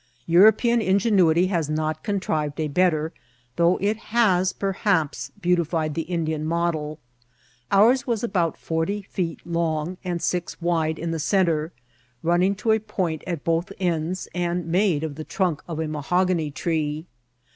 European ingenuity has not contrived a better, though it has, perhaps, beautified the Indian modeL Ours was about forty feet long, and six wide in the centre, running to a point at both ends, and made of the trunk of a mahogany tree.